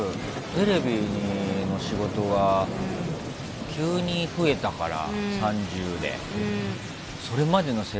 テレビの仕事が急に増えたから。